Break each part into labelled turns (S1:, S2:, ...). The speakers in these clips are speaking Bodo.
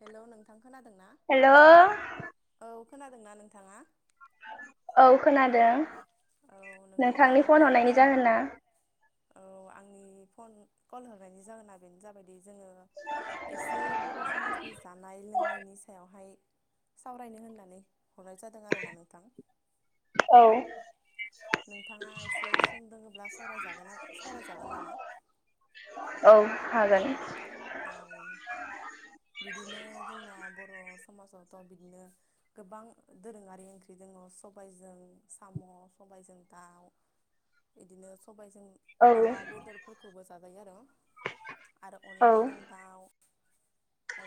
S1: हेलौ नोंथां खोनादोंना
S2: हेल'
S1: औ खोनादोंना नोंथाङा?
S2: औ खोनादों।
S1: औ नोंथाङा
S2: नोंथांनि
S1: मा
S2: फन हरनायनि
S1: खालामगासिनो दं?
S2: जाहोना
S1: औ आंनि फन कल हरनायनि जाहोना बेनो जाबाय जोङो एसे बर' समाजनि जानाय लों लोंनायनि सायावहाय सावरायनो होननानै हरनाय जादों आरोना नोंथां
S2: औ।
S1: नोंथाङा एसे सम दोङोब्ला सावरायजागोन सावरायजागोन नामा?
S2: औ हागोन।
S1: [inaudible] बिदिनो जोंना बर' समाजावथ' बिदिनो गोबां दोरोङारि ओंख्रि जोङो सब [unintelligible] जों
S2: औ
S1: अमा बेदरफोरखौबो जाजायो आरो आरो
S2: औ
S1: अनलाजों दाउ औ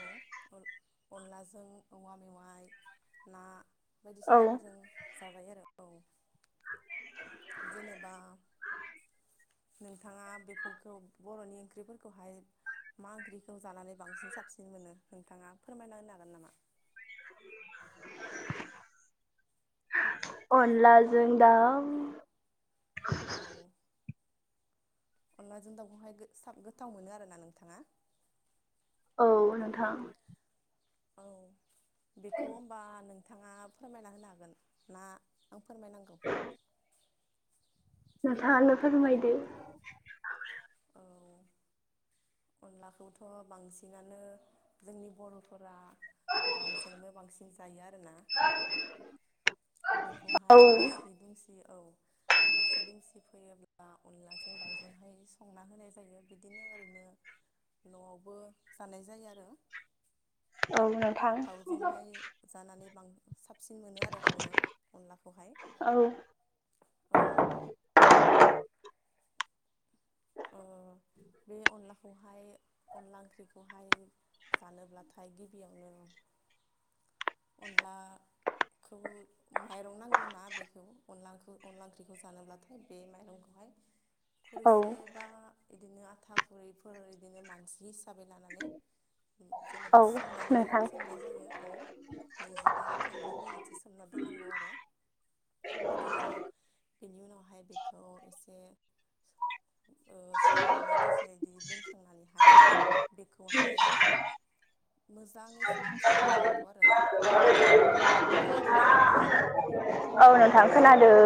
S1: अनलाजों औवा मेवाइ ना
S2: औ
S1: बायदिसिनाफोरजों जाजायो आरो औ। जेनेबा नोंथाङा बेफोरखौ बर'नि ओंख्रिफोरखौहाय मा ओंख्रिखौ जानानै बांसिन साबसिन मोनो नोंथाङा फोरमायना होनो हागोन नामा? [inaudible]
S2: अनलाजों दाउ
S1: औ। अनलाजों दाउखौहायाब गोथाव मोनो आरोना नोंथाङा।
S2: औ नोंथां।
S1: औ बेखौ होनोमबा नोंथाङा फोरमायना होनो हागोन ना आं फोरमायनांगौ।
S2: नोंथाङा नो फोरमायदो।
S1: औ अनलाखौथ' बांसिनानो जोंनि बर'फोरा दाउजोंनो बांसिन जायो आरोना। बेखौहाय
S2: औ
S1: आलासि दंसि औ। आलासि दुमसि फैयोब्ला अनलाजों दाउजोंहाय संना होनाय जायो बिदिनो ओरैनो न'आवबो जानाय जायो आरो।
S2: औ नोंथां
S1: दाउजोंहाय जानानै बां साबसिन मोनो आरो आङो अनलाखौहाय
S2: औ
S1: औ। अ बे अनलाखौहाय अनला ओंख्रिखौहाय जानोब्लाथाय गिबियावनो अनला खौ माइरं नांगौनाा बेखौ अनलाखौ अनला ओंख्रिखौ जानोब्लाथाय बे माइरंखौ बेवहाय
S2: औ।
S1: एबा बिदिनो आथा खुरिफोर बिदिनो मानसि हिसाबै लानानै जेनेबा
S2: औ
S1: सोमनानै
S2: नोंथां
S1: जायो सोमनाय जायो औ नैजिबा थामजि मिनिटसो सोमना दोननांगौ आरो बिदिनो बेनि उनावहाय बेखौ एसे ओ सोमनानै दसे बदि दोनखांनानैहाय बेखौहाय मोजाङै साफा सुना लानांगौ आरो। खोनादोंना नोंथाङा।
S2: औ नोंथां खोनादों।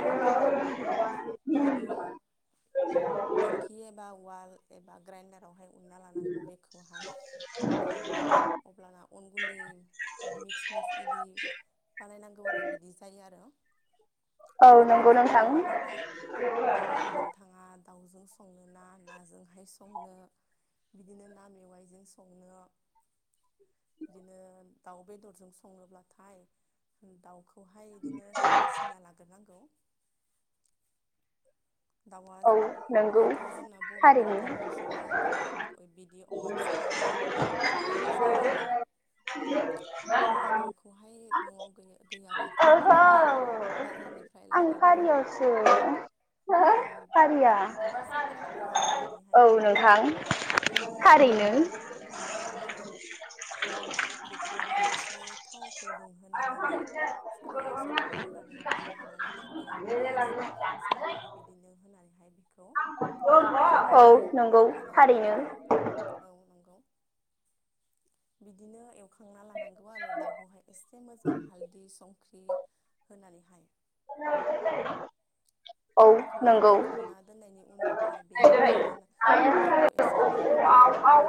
S1: औ -औ बिदिनो दिंखि एबा उवाल एबा ग्राइन्दारावहाय उनना लानांगौ बेखौहाय बे अब्लाना अन गुन्दै मिक्स मिक्स इदि बानायनांगौ आरो बिदि जायो आरो
S2: औ
S1: बेखौ
S2: नंगौ
S1: देना
S2: नोंथां।
S1: लानानैहाय ओ नोंथाङा दाउजों संनो ना नाजोंहाय संनो बिदिनो ना मेवाइजों संनो बिदिनो दाउ बेदरजों सङोब्लाथाय दाउखौ खौहाय इदिनो बासिना लाग्रोनांगौ दाउआ
S2: औ नंगौ
S1: जिहेथु जोंना
S2: थारैनो
S1: बर'फोराथ बांसिनानो दाउ बिदि अमा फिसिनानै
S2: [inaudible]
S1: जाबोयो जायो आरो
S2: [inaudible]
S1: दाउखौहाय न'आव गैयाब्लाथाय
S2: ओहो
S1: बिदिनो बाजारनिफ्राय लायनानै
S2: [inaudible]
S1: औ
S2: खारिया
S1: बिदिनो साफा खालामना
S2: औ
S1: लानानैहाय बेखौबो औ
S2: नोंथां
S1: औ
S2: थारैनो
S1: औ नोंगौ बेखौहाय एसे थाव एसे थाव होनानै
S2: [unintelligible]
S1: ब्राम बिदिनो होनानैहाय बे खौ
S2: औ
S1: एवफ्रामनानै
S2: नंगौ
S1: लानांगौ आरो
S2: थारैनो
S1: औ औ नंगौ बिदिनो एव ना लानांगौ आरो दाउखौहाय एसे मोजां हालदि संख्रि होनानैहाय
S2: [inaudible] औ
S1: बेखौ
S2: नंगौ
S1: एवखांना दोननायनि उनावहाय बेयाव दै होना दैखौ एसे नांगौ बि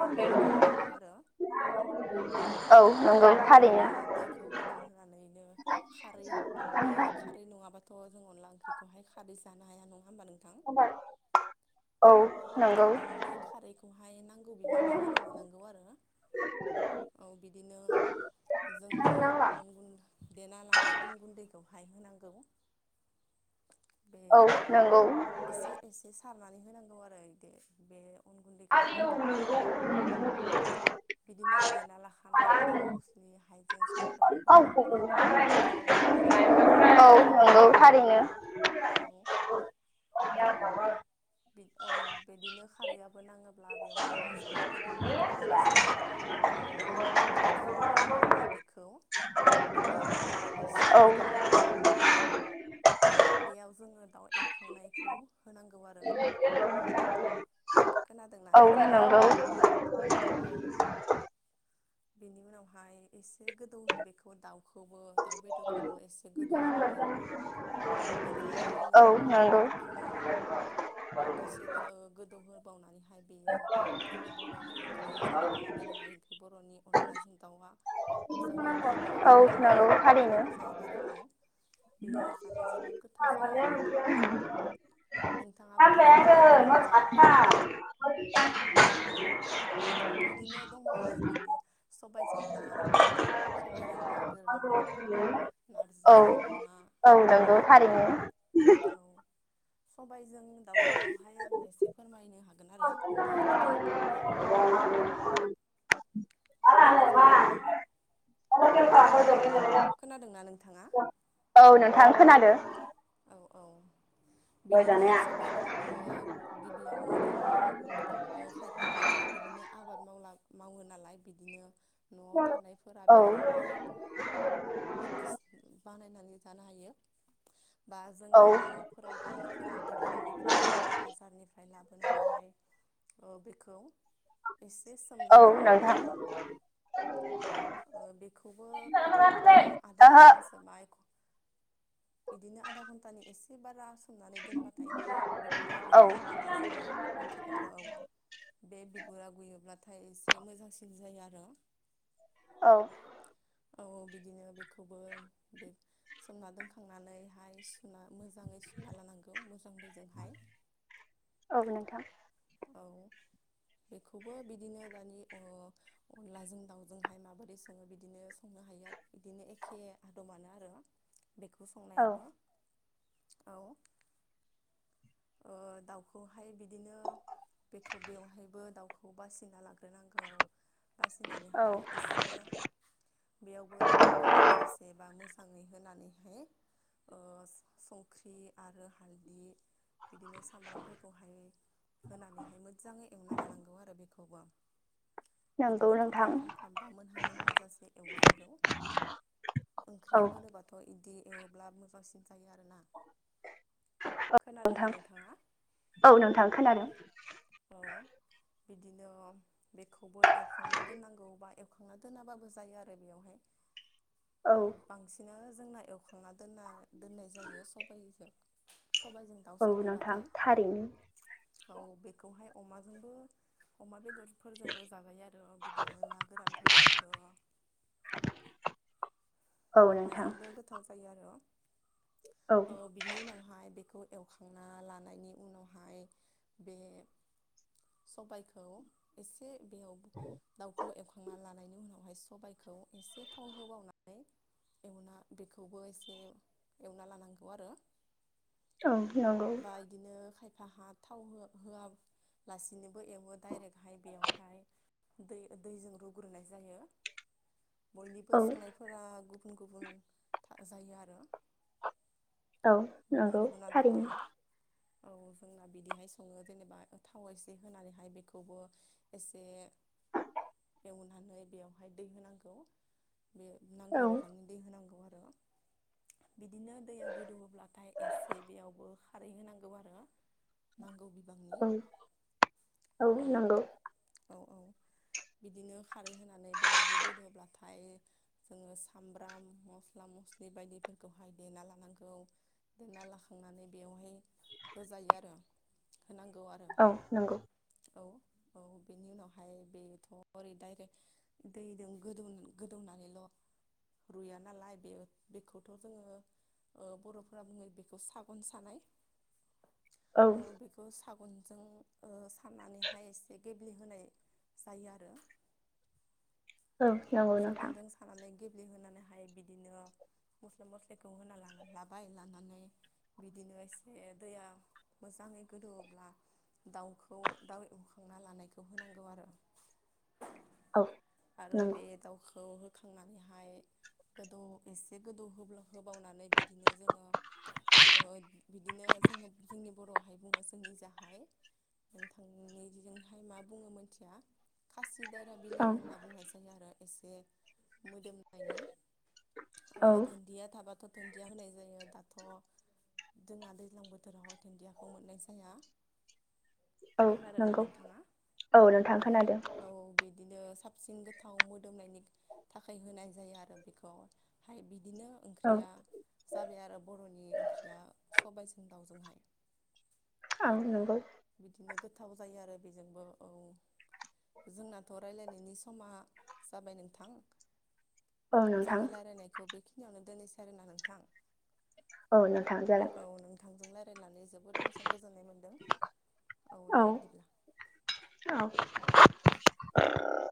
S1: बांनि होना लानांगौ आरो
S2: औ नंगौ
S1: औ बे
S2: थारैनो
S1: दैखौ गोदौहोनानैनो खारै बे खारै नङाबाथ जों अनला ओंख्रिखौहाय खारै जानो हाया नङ
S2: औ नंगौ
S1: औ बे खारैखौहाय नांगौ बिबांनि होना लानांगौ आरो औ बिदिनो जोंनि अन गुन्द देना लानाय अन गुन्दैखौ हाय होनांगौ बे
S2: औ नोंगौ
S1: एसे एसे सारनानै होनांगौ आरो इदि बे अन गुन्दैखौहाय
S2: [inaudible]
S1: बिदिनो देना लाखानाय मस्ला मस्लि हाइजें
S2: औ
S1: सामब्रामफोरखौ हाय बेयाव होनांगौ आरो
S2: औ नंगौ
S1: गोदौनायावहाय
S2: थारैनो
S1: औ औ
S2: [inaudible]
S1: औ बिदिनो खारैआ हो नाङोब्ला बेवहाय मोजाङै गोदौब्लाथाय एसे गोदौ होबावना नैहाय बेखौ खारै होखांनानै एसे
S2: औ
S1: गोदौ होबावनानैहाय बेयाव जोङो दाउ एवखांनायखौ होनांगौ आरो
S2: [unintelligible]
S1: खोनादोंना
S2: औ
S1: नोंथाङा
S2: नंगौ
S1: औ बेनि उनावहाय एसे गोदौ बेखौ दाउखौबो दाउ बेदरखौबो एसे गोदौ होनानै मोजाङैनो
S2: औ नंगौ
S1: औ दसे ओ गोदौ हो बेयो जोंनि बर'नि ओंख्रि जेनेबा दोरोङारि ओंख्रि बर'नि अनलाजों दाउआ जाहै
S2: औ
S1: होननानै
S2: नंगौ थारैनो
S1: जाहैबाय आरो औ बेयो जानो जोबोद गोथाव जायो आरो
S2: [unintelligible]
S1: नोंथाङाबोथ जोबोद गोथाव मोनो जानांगौ
S2: [inaudible]
S1: बिदिनो दंबावो बिदि सबायजों दाउ सबायजों ना गोरान
S2: औ
S1: नारजिजों अमा
S2: औ नंगौ थारैनो
S1: औ सबायजों दाउखौहाय आङो एसे फोरमायनो हा
S2: [unintelligible]
S1: खोनासंङोब्ला औ औ खोनादोंना नोंथांङा?
S2: औ नोंथां खोनादों
S1: औ औ बिदिनो सबाइखौबो गिबियावनो जोंङो खायफाहाथ' बिदिनो आबाद मावला मावो नालाय बिदिनो न'आव थानायफोरा बेखौहाय बानायनानै जानो हायो। बा
S2: औ
S1: जोंनिया न'फोराव गैयैफोरा दखाननिफ्राय बा बाजारनिफ्राय ओमफ्राय लाबोनानैहाय बेखौ एसे सोमना
S2: औ
S1: दोननांगौ
S2: नोंथां
S1: आरो [inaudible] ओ बेखौबो ओ आधा
S2: ओहो
S1: घन्टासो बा एक घन्टा बिदिनो आधा घन्टानि एसे बारा सोमनानै दोनबाथाय बिगुरा
S2: औ
S1: गुयो होननानै जोंङो मिथिगौ आरो औ। बे बिगुरा गुयोब्लाथाय एसे मोजांसिन जायो आरो।
S2: औ।
S1: औ बिदिनो बेखौबो बे सोमना दोनखांनानैहाय सुना मोजांङै सुना लानांगौ मोजां दैजोंहाय।
S2: औ नोंथां
S1: औ। बेखौबो बिदिनो दानि ओ अनलाजों दाउजोंहाय माबोरै संङो बिदिनो संनो हाया बिदिनो एखे [unintelligible] आरो बेखौ
S2: औ
S1: संनायाबो औ ओ दाउखौहाय बिदिनो खौ बेवहायबो दाउखौ बासिना लाग्रोनांगौ। बासिनानैहाय
S2: औ
S1: एसे बेयावबो थावखौ नांजासे बा मोजां ङै होनानैहाय ओ संख्रि आरो हालदि बिदिनो सामब्रामफोरखौहाय होनानैहाय मोजांङै एवना लानांगौ आरो। बेखौबो
S2: नंगौ
S1: बिदिनो
S2: नोंथां
S1: खामफ्राम खामफ्राम बा मोनहां मोनहांजासे एवनांगौ।
S2: औ
S1: ओंख्रियाव होनोबाथ' बिदि एवोब्ला मोजांसिन जायो आरोना।
S2: औ
S1: खोनादोंना
S2: नोंथां
S1: नोंथाङा
S2: औ नोंथां खोनादों।
S1: औ। बिदिनो बेखौबो एवखांना दोननांगौ बा एवखांना दोनाबाबो जायो आरो बेवहाय।
S2: औ
S1: [unintelligible] बांसिनानो जोंना एवखांना दोनना दोननाय जायो सबाइजों। सबाइजों दाउ
S2: औ नोंथां
S1: संनोब्लाथाय
S2: थारैनो।
S1: औ बेखौहाय अमाजोंबो अमा बेदर फोरजोंबो जाबाय आरो बिदिनो ना गोरानफोरजोंबो।
S2: औ नोंथां
S1: अमाजोंबो गोथाव जायो आरो औ बिनि उनावहाय बेखौ एवखांना लानायनि उनावहाय बे सबाइखौ एसे बेयाव दाउखौ एवखांना लानायनि उनावहाय सबायखौ एसे थाव होबावनानै एवना बेखौबो एसे एवना लानांगौ आरो।
S2: औ नंगौ
S1: बा इदिनो खाय [unintelligible] थाव हो होआलासिनोबो एवो डाइरेक्टहाय बेयावहाय। दै दैजों रुग्रोनाय जायो। बयनिबो
S2: औ
S1: संनायफोरा गुबुन गुबुन जायो आरो।
S2: औ
S1: गुबुन
S2: नंगौ
S1: गुबुन आदबाव
S2: थारैनो।
S1: औ जोंना बिदिहाय संङो जेनेबा थाव एसे होनानैहाय बेखौबो एसे नानैहाय दै होनांगौ।
S2: औ
S1: [unintelligible] होनांगौ आरो। बिदिनो दैया गोदौब्लाथाय एसे बेयावबो खारै होनांगौ आरो ना। नांगौ
S2: औ
S1: बिबांनि औ औ औ, बिदिनो खारै होनानै बेयावबो गोदोब्लाथाय जोङो सामब्राम मस्ला मस्लि बायदिफोरखौहाय देना लानांगौ देना लाखांनानै बेयाव बे होजायो आरो होनांगौ आरो
S2: औ नंगौ
S1: औ औ। बेनि उनावहाय बेथ' ओरै डायरेक्ट दैदों गोदौ गोदौनानैल' रुया नालाय बे बेखौथ' जोङो ओ बर'फोरा बुङो बेखौ सागन सानाय औ बेखौ सा गनजों साननानैहाय एसे गेब्लेहोनाय जायो आरो। [inaudible]
S2: औ नंगौ नोंथां।
S1: दै होनानैहाय बिदिनो मस्ला मस्लिखौ होनानै लाबाय, लानानै बिदिनो एसे दैया मोजाङै गोदौवोब्ला दाउखौ दाउ एवखांना लानायखौ होनांगौ आरो
S2: औ
S1: आरो
S2: नंगौ।
S1: बे दाउखौ होखांनानैहाय गोदौ एसे गोदौ होब्ला होबावनानै बिदिनो जों ओ बिदिनो जों जोंनि बर'हाय बुङो जोंनि जाहाय नोंथांनिजोंहाय मा बुङो मिथिया खासि दायरा बिलाइ
S2: औ
S1: होनना बुंनाय सो आरो एसे मोदोमनायनि ओ,
S2: औ
S1: धोन्दिया थाबाथ' धोन्दिया होनाय जायो दाथ' जोंहा दैज्लां बोथोरावहाय धोन्दिया मोननाय जाया
S2: औ
S1: खोनादोंना
S2: नंगौ
S1: नोंथाङा?
S2: औ नोंथां खोनादों
S1: औ बिदिनो साबसिन गोथाव मोदोमनायनि थाखाय होनाय जायो आरो बेखौहाय बि बिदिनो
S2: औ
S1: ओंख्रिया जाबाय आरो बर'नि ओंख्रिया सबायाजों दाउजोंहाय
S2: आं नंगौ
S1: बिदिनो गोथाव जायो आरो बेजोंबो औ जोंनाथ' रायलायनायनि समा जाबाय नोंथां!
S2: औ
S1: जों
S2: नोंथां
S1: रायलायनायखौ बेखिनियावनो दोनोसै आरोना नोंथां
S2: औ नोंथां जागोन
S1: औ नोंथांजों रायलायनानै जोबोद मोजां गोजोन्नाय मोन्दों। औ दे बिदिब्ला।
S2: [unintelligible]